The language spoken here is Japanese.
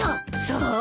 そう？